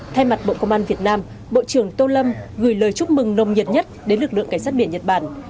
thay mặt bộ công an việt nam bộ trưởng tô lâm gửi lời chúc mừng nồng nhiệt nhất đến lực lượng cảnh sát biển nhật bản